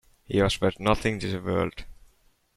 He was worth nothing to the world.